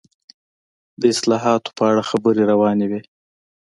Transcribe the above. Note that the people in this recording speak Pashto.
د اصلاحاتو په اړه خبرې روانې وې.